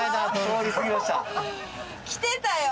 来てたよ！